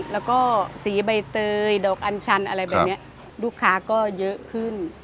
แล้วก็สีใบเตยดอกอัญชันอะไรแบบนี้ลูกค้าก็เยอะขึ้น